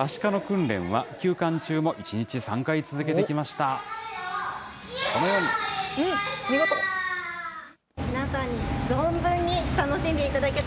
アシカの訓練は、休館中も１日３回続けてきました。